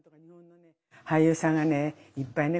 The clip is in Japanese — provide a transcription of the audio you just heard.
俳優さんがねいっぱいね